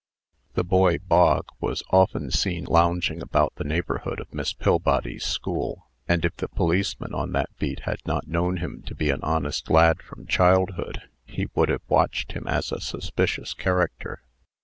The boy Bog was often seen lounging about the neighborhood of Miss Pillbody's school; and if the policeman on that beat had not known him to be an honest lad from childhood, he would have watched him as a suspicious character.